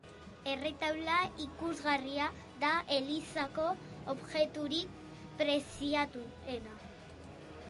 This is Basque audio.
Erretaula ikusgarria da elizako objekturik preziatuena.